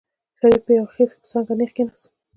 شريف په يو خېز په څانګه نېغ کېناست.